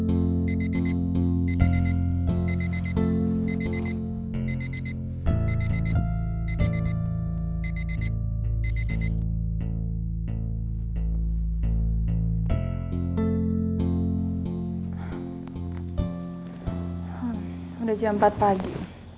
udah jam empat pagi